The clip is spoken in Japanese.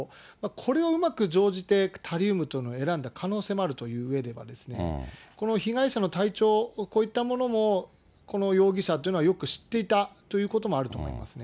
これをうまく乗じてタリウムというのを選んだ可能性があるといううえではこの被害者の体調、こういったものもこの容疑者っていうのはよく知っていたっていうこともあると思いますね。